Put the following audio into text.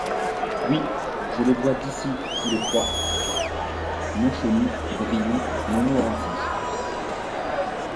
Oui, je les vois d’ici Tous les trois. — Montchenu, Brion, Montmorency.